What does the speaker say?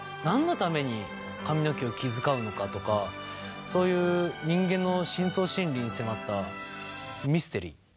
何のために髪の毛を気遣うのかとかそういう人間の深層心理に迫ったミステリー。